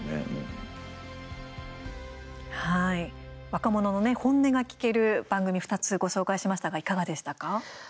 若者の本音が聴ける番組２つ、ご紹介しましたがいかがでしたか？